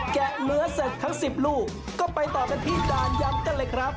แกะเนื้อเสร็จทั้ง๑๐ลูกก็ไปต่อกันที่ด่านยักษ์กันเลยครับ